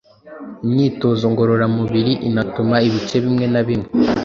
Imyitozo ngororamubiri inatuma ibice bimwe na bimwe